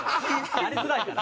やりづらいから。